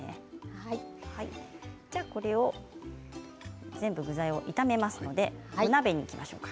これを全部具材を炒めますのでお鍋にいきましょうか。